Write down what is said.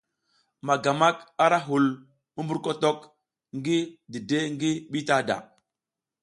Magamak ara hul mumburkotok ngi dide ngi bitada.